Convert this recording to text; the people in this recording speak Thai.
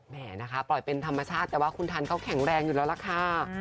แม่นะคะปล่อยเป็นธรรมชาติแต่ว่าคุณทันเขาแข็งแรงอยู่แล้วล่ะค่ะ